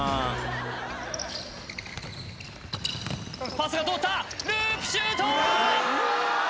パスが通ったループシュート！